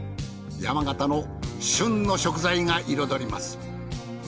山形の旬の食材が彩ります。